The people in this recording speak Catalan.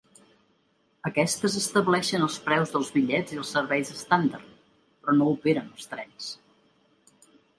Aquestes estableixen els preus dels bitllets i els serveis estàndard, però no operen els trens.